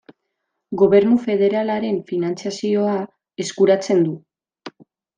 Gobernu federalaren finantzazioa eskuratzen du.